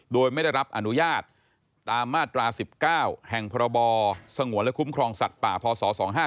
โดยไม่ได้รับอนุญาตตามมาตรา๑๙แห่งพรบสงวนและคุ้มครองสัตว์ป่าพศ๒๕๖